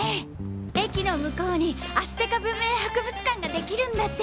駅のむこうに「アステカ文明博物館」ができるんだって！